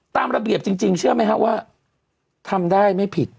ตามระเบียบจริงเชื่อไหมครับว่าทำได้ไม่ผิด